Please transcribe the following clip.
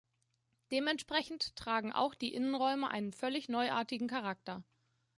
Dementsprechend tragen auch die Innenräume einen völlig neuartigen Charakter.